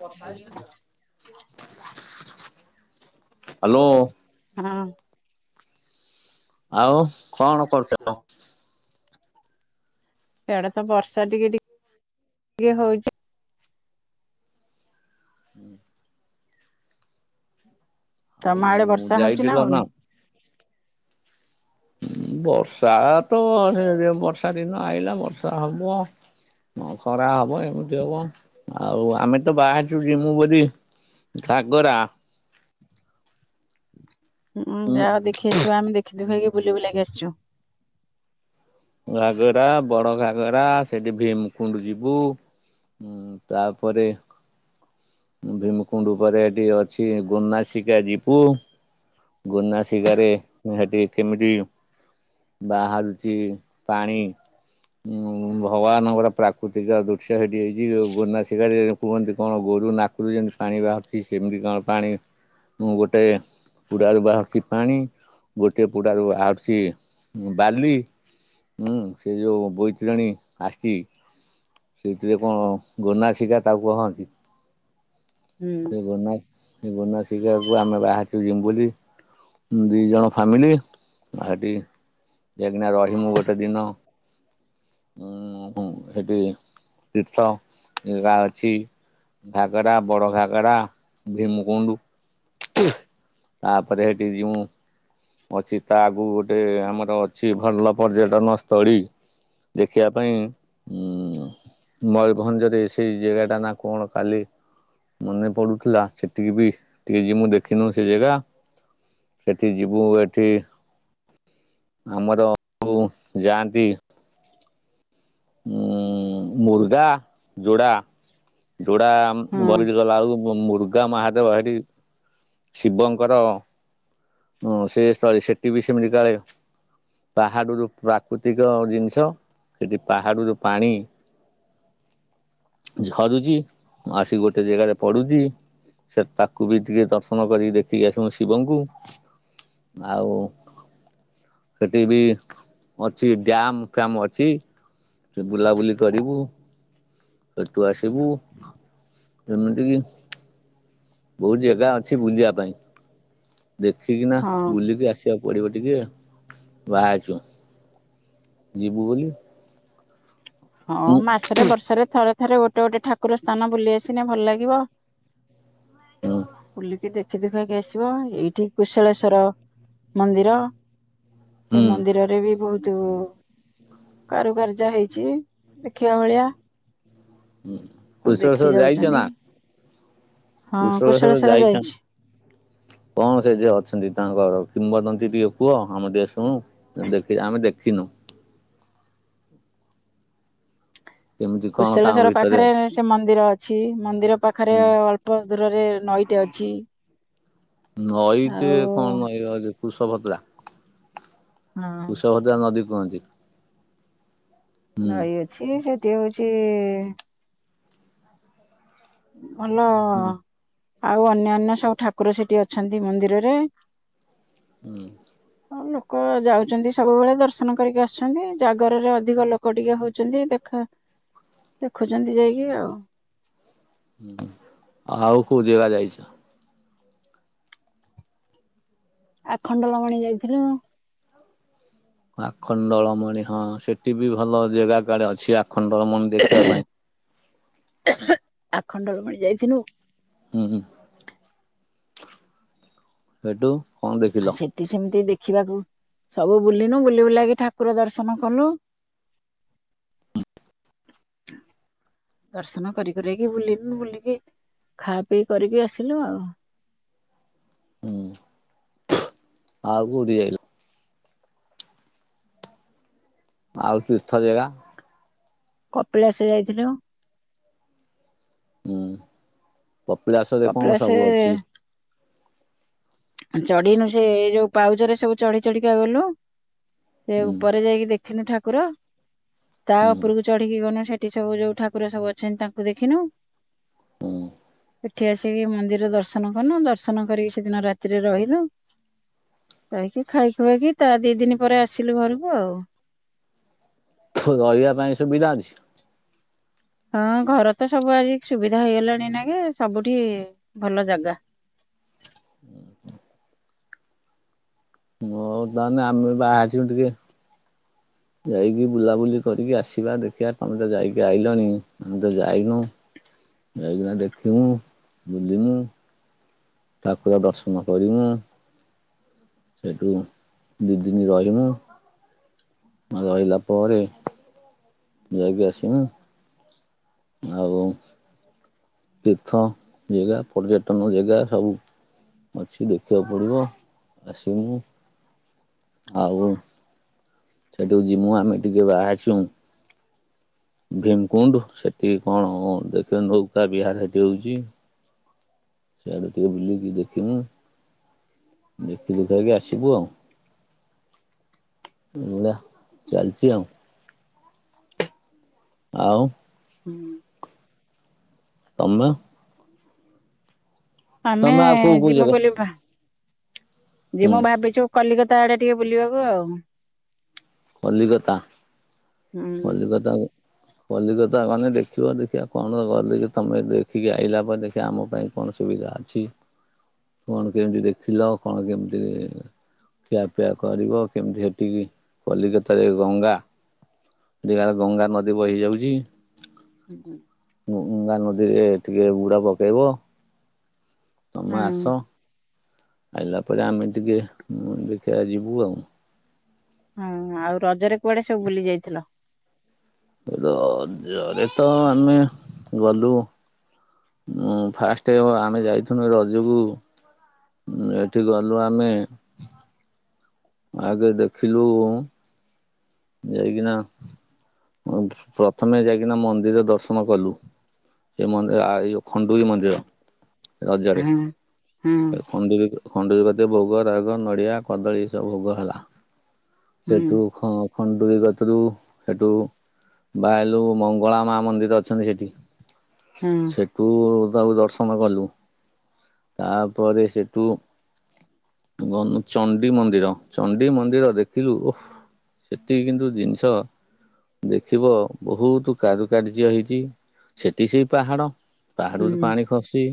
Hello. ହୁଁ। ଆଉ କଣ କରୁ [unintelligible] ଇଆଡେ ତ ବର୍ଷା ଟିକେ ଟିକେ ଟିକେ ହଉଛି। ହୁଁ। ଆଉ ତମ ଆଡେ ବର୍ଷା ହଉଛି ନା ହଉନି? ବର୍ଷା ତ ବର୍ଷା ଦିନ ଆଇଲା ବର୍ଷା ହବ। ହଁ ଖରା ହବ ଏମିତି ହବ ଆଉ ଆମେ ତ ବାହାରିଛୁ ଯିମୁ ବୋଲି ଘାଗରା। ଉଁ ଯାଅ ଦେଖି ଆସିବ ଆମେ ଦେଖି ହେଇକି ବୁଲି ବୁଲାକି ଆସିଛୁ। ଘାଗରା ବଡ ଘାଗରା ସେଠି ଭୀମକୁଣ୍ଡ ଯିବୁ। ହୁଁ ତାପରେ ଭୀମକୁୁଣ୍ଡ ପରେ ଏଠି ଅଛି ଗୋନାସିକା ଜିବୁ। ଗୁନାଶିକାରେ ହେଟି କେମିତି ବାହାରୁଛି ପାଣି ଉଁ ଭଗବାନଙ୍କର ପ୍ରାକୃତିକ ଦୃଶ୍ୟ ସେଠି ହେଇଛି ଗୁନାଶିକାରେ କୁହନ୍ତି କଣ ଗୋରୁ ନାକରୁ ଯେମିତି ପାଣି ବାହାରୁଛି ସେମିତି କଣ ପାଣି ମୁଁ ଗୋଟେ ପୁଡ଼ାରୁ ବାହାରୁଛି ପାଣି ଗୋଟିଏ ପୁଡ଼ାରୁ ବାହାରୁଛି ବାଲି ହୁଁ ସେ ଯୋଉ ବୋଇତରାଣୀ ଆସିଛି ସେଇଥିରେ କଣ ଗୋନାଶିକା ତାକୁ କହନ୍ତି। ହୁଁ। ସେ ଗନା ସେ ଗନାଶିଖାକୁ ଆମେ ବାହାରିଚୁ ଜିମୁ ବୋଲି। ଦୁଇ ଜଣ ଫ୍ୟାମିଲି ସେଠି ଯାଇକିନା ରହି ମୁଁ ଗୋ ଟେ ଦିନ ଉଁ ହୁଁ ସେଠି ତୀର୍ଥ ଜାଗା ଅଛି। ଘାଗରା, ବଡ଼ ଘାଗରା, ଭୀମକୁୁଣ୍ଡୁ। ତାପରେ ଦିରିମୁ। ଅଛି ତା ଆଗୁକୁ ଗୋଟେ ଆମର ଅଛି ଭଲ ପର୍ଯ୍ୟଟନ ସ୍ଥଳୀ। ଦେଖିବା ପାଇଁ ଉଁ। ମୟୂରଭଞ୍ଜରେ ସେଇ ଜାଗାଟା ନା କଣ କାଲି ମନେ ପଡୁଥିଲା ସେଠିକି ବି ଟିକେ ଯ ମୁଁ ଦେଖିନୁ ସେ ଜାଗା। ସେଠି ଯିବୁ ଏଠି ଆମର [unintelligible] ଯାଆନ୍ତି। ଉ ମୁର୍ଗା ଯୋଡ଼ା। ଯୋଡା ହଁ ଭରିକ ଗଲା ବଳକୁ ମୁଡୁକି। ଦୁର୍ଗା ମହାଦେବ ଏଠି ଶିବଙ୍କର ହଁ ସେ ସ୍ଥଳୀ, ସେଠି ବି ସେମିତି କାଳେ ପାହାଡରୁ ପ୍ରାକୃତିକ ଜିନିଷ। ପାହାଡୁ ଯେଉଁ ପାଣି। ଝରୁଛି, ଆସିିକି ଗୋଟେ ଜାଗାରେ ପଡୁଛି। ସେ ତାକୁ ବି ଟିକେ ଦର୍ଶନ କରିକି ଦେଖିକି ଆସିବୁ ଶିବଙ୍କୁ। ଆଉ ସେଠି ବି ଅଛି ଡ୍ୟାମ ଫ୍ୟାମ ଅଛି। ସେ ବୁଲାବୁଲି କରିବୁ, ସେଠୁ ଆସିବୁ। ଯେମିତି କି ବହୁତ ଜାଗା ଅଛି ବୁଲିବା ପାଇଁ। ଦେଖିକି ନା ହଁ। ବୁଲିକି ଆସିବାକୁ ପଡିବ ଟିକେ, ବାହାରୁଛୁ। ଯିବୁ ବୋଲି। ହଁ ହୁଁ ମାସରେ ବର୍ଷରେ ଥରେ ସେଠାରେ ଗୋଟେ ଗୋଟେ ଠାକୁର ସ୍ଥାନ ବୁଲି ଆସିଲେ ଭଲ ଲାଗିବ, ହୁଁ ବୁଲିକି ଦେଖ ଦେଖି ଦୁଖାକି ଆସିବ ଏଇଠି କୁଶଳେଶ୍ଵର ମନ୍ଦିର। ସେ ହୁଁ ମନ୍ଦିରରେ ବି ବହୁତ କାରୁକାର୍ଯ୍ୟ ହେଇଛି। ଦେଖିବା ଭଳିଆ, ସବୁ ଦେଖି ଯାଉଛନ୍ତି। ହଁ କୁଶଳେସ୍ଵର କୁଶଳେଶ୍ଵର ଯାଇଛି। ଯାଇଥାନ୍ତି। କଣ ସେ ଯିଏ ଅଛନ୍ତି ତାଙ୍କର କିମ୍ବଦନ୍ତୀ ଟିକେ କୁହ ଆମେ ଟିକେ ଶୁଣୁ। ଦେଖି ଆମେ ଦେଖିନୁ। କେମିତି କଣ ତାଙ୍କ କୁଶଲେଶ୍ଵର ଭିତରେ ପାଖରେ ଅଛି ସେ ମନ୍ଦିର ଅଛି ମନ୍ଦିର ପାଖରେ ହୁଁ। ଅଳ୍ପ ଦୂରରେ ନଈଟେ ଅଛି। ନଈ ଟେ ଆଉ କଣ୍ ନଈ ଅଛି କୁଶଭଦ୍ରା। ହଁ କୁଷଭଦ୍ରା ନଦୀ କୁହନ୍ତି। ହୁଁ। ନଈ ଅଛି ସେଠି ହଉଛି ଭଲ ହୁଁ ଆଉ ଅନ୍ୟାନ୍ୟ ସବୁ ଠାକୁର ସେଠି ଅଛନ୍ତି ମନ୍ଦିରରେ। ହୁଁ। ହଁ ଲୋକ ଯାଉଛନ୍ତି ସବୁବେଳେ ଦର୍ଶନ କରିକି ଆସୁଛନ୍ତି ଜାଗରରେ ଅଧିକ ଲୋକ ଟିକେ ହଉଛନ୍ତି, ଏବେ ଖ ଦେଖୁଛନ୍ତି ଯାଇକି ଆଉ। ହୁଁ ଆଉ କୋଉ ଯିବା ଯାଇଛ? ଆଖଣ୍ଡଲମଣି ଯାଇଥିଲୁ। ଆଖଣ୍ଡଳମଣି ହଁ ସେଠି ବି ଭଲ ଜାଗା କାଡେ ଅଛି ଆଖଣ୍ଡଳମଣି ଦେଖିବା ପାଇଁ। ଆଖଣ୍ଡଳମଣି ଯାଇଥିଲୁ। ହୁଁ ହୁଁ, ସେଇଠୁ କଣ ଦେଖିଲ? ସେଠ ସେମିତି ଦେଖିବାକୁ ସବୁ ବୁଲିନୁ ବୁଲି ବୁଲାକି ଠାକୁର ଦର୍ଶନ କଲୁ। ହ୍ ଦର୍ଶନ କରି କରକି ବୁଲୁ ବୁଲିକି ଖାଆ ପିଇ କରିକି ଆସିଲୁ ଆଉ। ହୁଁ। ଆଉ କୋଉଠି ଯାଇଲ? ଆଉ ତୀର୍ଥ ଜାଗା? କପିଳାସ ଯାଇଥିଲୁ। ହୁଁ ପପିଳାସରେ କଣ ସବୁ କପିଳାସ ଅଛି? ଚଢିନୁ ସେ ଏଇ ଯୋଉ ପାଉଚ ରେ ସବୁ ଚଢି ଚଢିକା ଗଲୁ। ସେ ହୁଁ ଉପରେ ଯାଇକି ଦେଖିନୁ ଠାକୁର ତା ଉପରକୁ। ଚଢିକି ଗନୁ ସେଠି ସବୁ ଯୋଉ ଠାକୁର ସବୁ ଅଛନ୍ତି ତାଙ୍କୁ ଦେଖିନୁ। ହୁଁ। ଏଠି ଆସିକି ମନ୍ଦିର ଦର୍ଶନ କନୁ ଦର୍ଶନ କରିକି ସେଦିନ ରାତି। ରାତିରେ ରହିଲୁ ରହିକି ଖାଇ ଖୁଆଇକି ତା ଦି ଦିନି ପରେ ଆସିଲୁ ଘରକୁ ଆଉ। ରହିବା ପାଇଁ ସୁବିଧା ଅଛି। ହଁ ଘର ତ ସବୁ ଆଜି ସୁବିଧା ହେଇଗଲାଣି ଏଇନାଗେ ସବୁଠି ଭଲ ଜାଗା। [unintelligible] ତାହେଲେ ଆମେ ବାହାରିଛୁ ଟିକେ। ଯାଇକି ବୁଲାବୁଲି କରିକି ଆସିବା ଦେଖିବା ତମେ ତ ଯାଇକି ଆଇଲଣି ଆମେ ତ ଯାଇନୁ। ଯାଇକିନା ଦେଖିମୁ ବୁଲିମୁ। ଠାକୁର ଦର୍ଶନ କରିମୁ। ସେଇଠୁ ଦି ଦିନି ରହିମୁ। ଆ ରହିଲା ପରେ ଯାଇକି ଆସିମୁ। ଆଉ ତୀର୍ଥ ଜେଗା ପର୍ଯ୍ୟଟନ ଜେଗା ସବୁ। ଅଛି ଦେଖିବାକୁ ପଡ଼ିବ ଆସିମୁ। ଆଉ ସେଠୁକୁ ଯିମୁ ଆମେ ଟିକେ ବାହାରିଛୁ। ଭୀମକୁଣ୍ଡ ସେଠି କଣ ଦେଖ ନୌକା ବିହାର ସେଠି ହଉଛି। ସେଆଡ଼େ ଟିକେ ବୁଲିକି ଦେଖିମୁ ଦେଖି ଦୁଖାକି ଆସିବୁ ଆଉ। ମୁଲା ଚାଲିଛି ଆଉ। ଆଉ। ହୁଁ। ତମେ। ଆମେ ତମେ ଆଉ କୋଉ କୋଉ ଯମୁ ଜାଗା ବୋଲି ଭା ଯିମୁଁ ହୁଁ ଭାବିଛୁ କଲିକତା ଆଡେ ଟିକେ ବୁଲିବାକୁ ଆଉ। କଲିକତା ହୁଁ କଲିକତା। କଲିକଥା ଗଲେ ଦେଖିବ ଦେଖିବା କଣ ଗଲିିକ ତମେ ଦେଖିକି ଆଇଲାା ପରେ ଦେଖିବା ଆମ ପାଇଁ। କଣ ସୁବିଧା ଅଛି କଣ କେମିତି ଦେଖିଲ କଣ କେମିତି? ଖିଆପିଆ କରିବ କେମିତି ସେଠିକି। କଲିକତାରେ ଗଙ୍ଗା [unintelligible] ଗଙ୍ଗା ନଦୀ ବହି ଯାଉଛି। ହୁଁ ହୁଁ। ଗଙ୍ଗା ନଦୀରେ ଟିକେ ବୁଡ ପକେଇବ ତମେ ହଁ ଆସ। ଆଇଲା ପରେ ଆମେ ଟିକେ ଦେଖିବା ଯିବୁ ଆଉ। ହଁ ଆଉ ରଜରେ କୁଆଡେ ସବୁ ବୁଲି ଯାଇଥିଲ। ରଜରେ ତ ଆମେ ଗଲୁ। ଉଁ ଫାଷ୍ଟ ଆମେ ଯାଇଥିନୁ ଏ ରଜକୁ। ଉଁ ଏଠି ଗଲୁ ଆମେ। ଆଗେ ଦେଖିଲୁ। ଯାଇକିନା ପ୍ରଥମେ ଯାଇକିନା ମନ୍ଦିର ଦର୍ଶନ କଲୁ। ସେ ମନ୍ଦିର ଆ ଏଇଯୋଉ ଖଣ୍ଡୁଇ ମନ୍ଦିର। ହୁଁ ହୁଁ। ଖଣ୍ଡୁୁଗି ଖଣ୍ଡୁଗିର ପାଖରେ ଭୋଗ ରାଗ ନଡ଼ିଆ କଦଳୀ ଏସବୁ ଭୋଗ ହେଲା। ସେଠୁ ଖ-ଖଣ୍ଡୁର କତିରୁ ହେଠୁ ବାହାଲୁ ମଙ୍ଗଳା ମା ମନ୍ଦିର ଅଛନ୍ତି ସେଠି। ହଁ। ସେଠୁ ତାକୁ ଦର୍ଶନ କଲୁ। ତାପରେ ସେଠୁ। ଗନୁ ଚଣ୍ଡୀ ମନ୍ଦିର ଚଣ୍ଡୀ ମନ୍ଦିର ଦେଖିଲୁ ଓହ। ସେତିକି କିନ୍ତୁ ଜିନିଷ ଦେଖିବ ବହୁତ କାରୁକାର୍ଯ୍ୟ ହେଇଛି। ସେଠି ସେଇ ପାହାଡ଼ ପାହାଡ଼ ପାଣି ଖସୁଛି।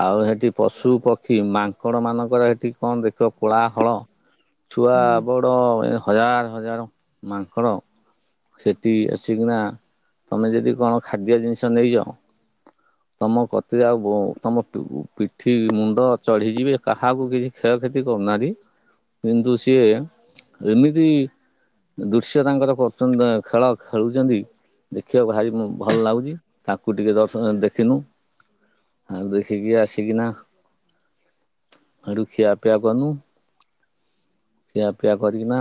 ଆଉ ସେଠି ପଶୁ ପକ୍ଷୀ ମାଙ୍କଡ ମାନଙ୍କର ହେଠି କଣ ଦେଖିବ କୋଳା ହଳ? ଛୁଆ ବଡ଼ ଏ ହଜାର ହଜାର ମାଙ୍କଡ଼। ସେଇଠି ଆସିକିନା ତୁମେ ଯଦି କଣ ଖାଦ୍ୟ ଜିନିଷ ନେଇଚ ତମ କତିରେ ଆଉ ତମ ପିଠି ମୁଣ୍ଡ ଚଢିଯିବେ କାହାକୁ କିଛି କ୍ଷୟକ୍ଷତି କରୁନାହାନ୍ତି କିନ୍ତୁ ସିଏ ଏମିତି ଦୃଶ୍ୟ ତାଙ୍କର କରୁଛନ୍ତି ଖେଳ ଖେଳୁଛନ୍ତି। ଦେଖିବାକୁ ଭାରି ମୁଁ ଭଲ ଲାଗୁଛି ତାଙ୍କୁ ଟିକେ ଦର୍ଶନ ଦେଖିନୁ। ଆଉ ଦେଖିକି ଆସିକିନା ହେଠୁ ଖିଆପିଆ କନୁ। ଖିଆ ପିଆ କରିକି ନା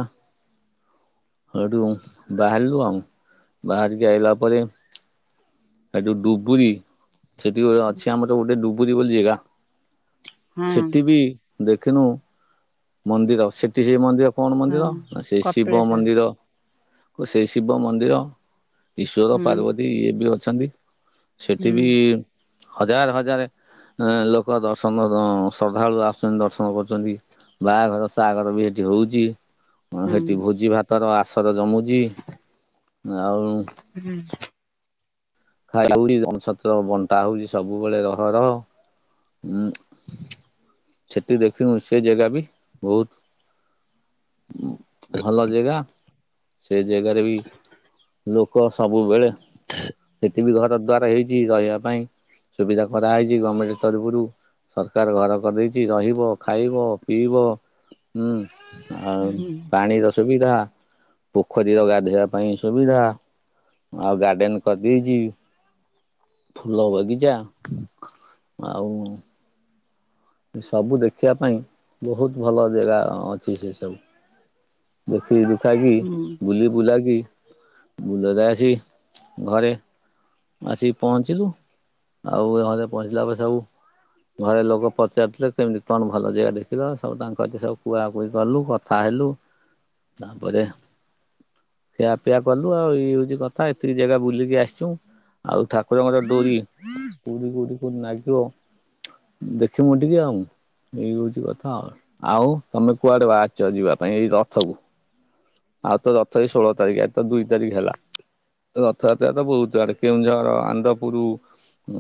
ହେଠୁ ବାହାରିଲୁ ଆଉ ବାହାରିକି ଆଇଲା ପରେ ହେଠୁ ଡ଼ୁବୁରୀ ସେଠି ଅଛି ଆମର ଗୋଟେ ଡୁବୁରୀ ବୋଲି ଜାଗା ସେଠି ବି ଦେଖିନୁ ମନ୍ଦିର ସେଠି ସେଇ ମନ୍ଦିର କଣ ମନ୍ଦିର ନା ସେଇ ଶିବ ମନ୍ଦିର। ସେଇ ଶିବ ମନ୍ଦିର ଈଶ୍ୱର ପାର୍ବତୀ ଇଏ ବି ଅଛନ୍ତି। ସେଠି ବି ହଜାର ହଜାର ଲୋକ ଦର୍ଶନ ଶ୍ରଦ୍ଧାଳୁ ଆସୁଛନ୍ତି ଦର୍ଶନ କରୁଛନ୍ତି। ବାହାଘର ସାହାଗର ବି ସେଠି ହଉଛି ସେଠି ଭୋଜି ଭାତ ତାର ଆସର ଜମୁଛି ଆଉ ହୁଁ। ଖାଇ ହଉଛି ସତ ବଣ୍ଟା ହଉଛି ସବୁବେଳେ ରହ ରହ। ସେଠି ଦେଖିନୁ ସେଇ ଜାଗା ବି ବହୁତ ଭଲ ଜେଗା। ସେଇ ଜାଗାରେ ବି ଲୋକ ସବୁବେଳେ [unintelligible] ସେଠି ବି ଘର ଦ୍ଵାର ହେଇଛି ରହିବା ପାଇଁ ସୁବିଧା କରାହେଇଛି ଗଭର୍ଣମେଣ୍ଟ ତରଫରୁ। ସରକାର ଘର କରିଦେଇଛି ରହିବ, ଖାଇବ, ପିଇବ ହୁଁ। ଆଉ ପାଣିର ସୁବିଧା। ପୋଖରୀର ଗାଧେଇବା ପାଇଁ ସୁବିଧା ଆଉ ଗାର୍ଡେନ କରିଦେଇଛି ଫୁଲ ବଗିଚା ଆଉ ସବୁ ଦେଖିବା ପାଇଁ ବହୁତ ଭଲ ଜାଗା ଅଛି ସେ ସବୁ। ଦେଖି ଦୁଖାକି ବୁଲି ବୁଲା କିି ବୁଲ ଯାଏସି ଘରେ। ଆସିକି ପହଞ୍ଚିଲୁ ଆଉ ଘରେ ପହଞ୍ଚିଲା ପରେ ସବୁ ଘରେ ଲୋକ ପଚାରୁଥିଲେ କେମିତି କଣ ଭଲ ଜାଗା ଦେଖିଲ ସବୁ ତାଙ୍କ ସୁ କୁହାକୁହି କଲୁ କଥା ହେଲୁ। ତାପରେ ଖିଆପିଆ କଲୁ ଆଉ ଇଏ ହଉଛି କଥା ଏତିକି ଜାଗା ବୁଲିକି ଆସିଛୁ। ଆଉ ଠାକୁରଙ୍କର ଡୋରି କୋଉଠି କୋଉଠି ନାଗିବ ଦେ ଖିମୁ ଟିକେ ଆଉ। ଏଇ ହଉଛି କଥା ଆଉ ଆଉ ତମେ କୁଆଡେ ବାହାରିଚ ଯିବା ପାଇଁ ଏଇ ରଥକୁ? ଆଉ ତ ରଥ ଏଇ ଷୋହଳ ତାରିଖ ଏ ତ ଦୁଇ ତାରିଖ ହେଲା। ରଥଯାତ୍ରା ତ ବହୁତ ଆଡେ କେଉଁଝର, ଆନ୍ଦପୁର,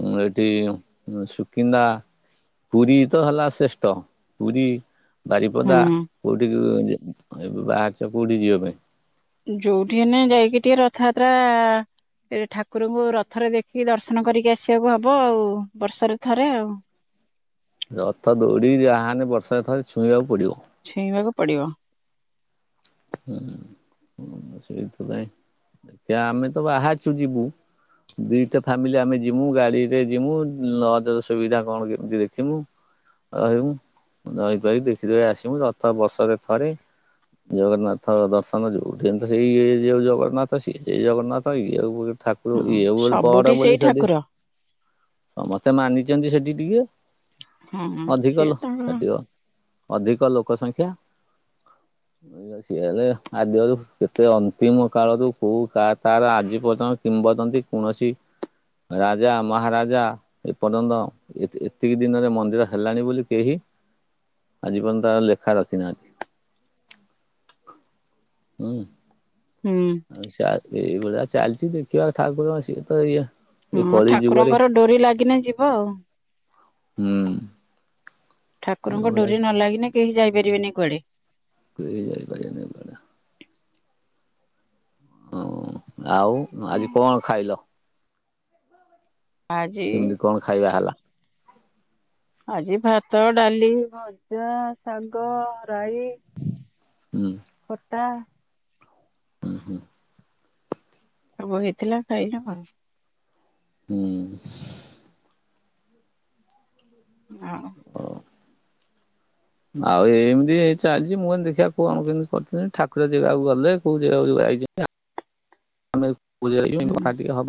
ଉ ଏଇଠି ସୁକିନ୍ଦା। ପୁରୀ ତ ହେଲା ଶ୍ରେଷ୍ଠ। ପୁରୀ, ବାରିପଦା କେଉଁଠି ଏବେ ବାହାରୁଛ କୋଉଠି ଯିବା ପାଇଁ? ଯୋଉଠି ହେନେ ଯାଇକି ଟିକେ ରଥଯାତ୍ରା ଠାକୁରଙ୍କୁ ରଥରେ ଦେଖିକି ଦର୍ଶନ କରିକି ଆସିବାକୁ ହବ ଆଉ ବର୍ଷରେ ଥରେ ଆଉ। ରଥ ଦୌଡ଼ିକି ଯାହେନେ ବର୍ଷ କେ ଥରେ ଛୁଇଁବାକୁ ପଡିବ। ଛୁଇଁବାକୁ ପଡିବ। ହୁଁ ସେଇଥିପାଇଁ ଦେଖିଆ ଆମେ ତ ବାହାରାଚୁ ଯିବୁ ଦିଟା ଫ୍ୟାମିଲି ଆମେ ଯିମୁ ଗାଡିରେ ଯିମୁ ଲଜ ର ସୁବିଧା କଣ କେମିତି ଦେଖିମୁ ରହିମୁ ରହିରୁହାକି ଦେଖିଦୁଖାକି ଆସିମୁ ରଥ ବର୍ଷରେ ଥରେ। ଜଗନ୍ନାଥ ଦର୍ଶନ ଯୋଉଠି ହେନେ ତ ସେଇ ଇଏ ଯୋଉ ଜଗନ୍ନାଥ ସିଏ ସେଇ ଜଗନ୍ନାଥ ଇଏଆଉ ଠାକୁର ହଁ ଇଏ ଓଉ ସବୁଠି ବଡବୋଲି ସେଇ ସଦି ଠାକୁର ସମସ୍ତେ ମାନିଚନ୍ତି ସେଠି ଟିକେ ହଁ ଅଧିକ ସିଏ ଲୋ ତାଙ୍କର ଟିକ ଅଧିକ ଲୋକ ସଂଖ୍ୟା ଏଇ ସ ସିଏ ହେଲେ ଆଦ୍ୟରୁ କେତେ ଅନ୍ତିମ କାଳରୁ କୋଉ ତା ତାର ଆଜି ପର୍ଯ୍ୟନ୍ତ କିମ୍ବଦନ୍ତୀ କୌଣସି ରାଜା, ମହାରାଜା ଏ ପର୍ଯ୍ୟନ୍ତ ଏ ଏତିକି ଦିନରେ ମନ୍ଦିର ହେଲାଣି ବୋଲି କେହି ଆଜି ପର୍ଯ୍ୟନ୍ତ ତାଙ୍କ ଲେଖା ରଖି ନାହାନ୍ତି। ହୁଁ। ହୁଁ। ସା ଏଇ ଭଳିଆ ଚାଲିଚି ଦେଖିବା ଠାକୁରଙ୍କ ସିଏ ତ ଇଏ ଏ ହଁ, କଳି ଯୁଗରେ ଠାକୁରଙ୍କର ଡୋରି ଲାଗିନେ ଯିବ ଆଉ। ହୁଁ। ଠାକୁରଙ୍କ ଏଭଳିଆ ଡୋରି ନ ଲାଗିନେ କେହି ଯାଇପାରିବେନି କୁଆଡେ। କେହି ଯାଇପାରିବେନି। ଏଭଳିଆ। ହଁ ଆଉ ଆଜି କଣ ଖାଇଲ? ଆଜି କେମିତି କଣ ଖାଇବା ହେଲା? ଆଜି ଭାତ, ଡାଲି, ଭଜା, ଶାଗ ରାଇ ହୁଁ। ଖଟା ହୁଁ ହୁଁ। ସବୁ ହେଇଥିଲା ଖାଇନୁ ଆଉ ହୁଁ। ହଁ। ହଁ। ଆଉ ଏମିତି ଏଇ ଚାଲିଚି ମୁଁ କହିନି ଦେଖିବା କଣ କେମିତି କରିଥିଲି ଠାକୁର ଜାଗାକୁ ଗଲେ କୋଉ ଜାଗାକୁ ଯାଇଚନ ମ ଆମେ ପୁରୀ [unintelligible] ହୁଁ। କଥା ଟିକେ ହବା